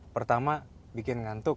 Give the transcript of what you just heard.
pertama bikin ngantuk